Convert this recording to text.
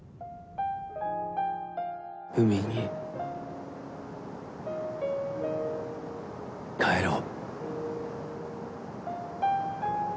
海に帰ろう。